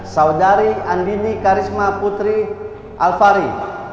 saudari andini karisma putri alfari